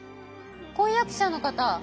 婚約者の方。